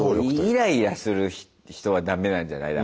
イライラする人はダメなんじゃない？